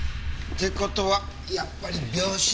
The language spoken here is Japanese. って事はやっぱり病死？